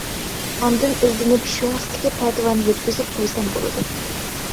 ئاندىن ئىزدىنىپ شۇ ھەقتىكى پەتىۋانى يەتكۈزۈپ قويسام بولىدۇ.